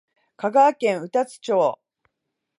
香川県宇多津町